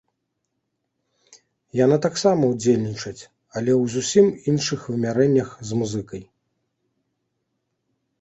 Яны таксама ўдзельнічаць, але ў зусім іншых вымярэннях з музыкай.